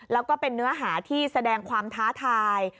แล้วก็เป็นเนื้อหาที่แสดงความท้าทาย